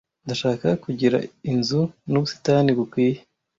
Ndashaka kugira inzu nubusitani bukwiye.